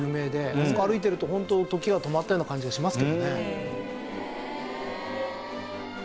あそこを歩いてるとホント時が止まったような感じがしますけどね。